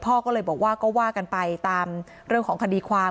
พ่อก็เลยบอกว่าก็ว่ากันไปตามเรื่องของคดีความ